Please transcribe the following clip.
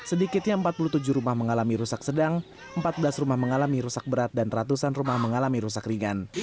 sedikitnya empat puluh tujuh rumah mengalami rusak sedang empat belas rumah mengalami rusak berat dan ratusan rumah mengalami rusak ringan